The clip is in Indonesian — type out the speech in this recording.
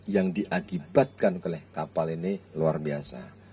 yang diakibatkan oleh kapal ini luar biasa